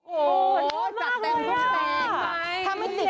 โอ้ยกมากเลยอ่ะทันครับชัดเต้นรุ่นแซงไหม